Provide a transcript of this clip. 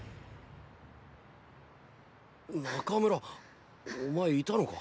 中村お前いたのか！